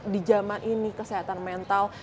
di zaman ini kesehatan mental